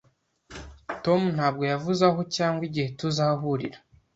Tom ntabwo yavuze aho cyangwa igihe tuzahurira.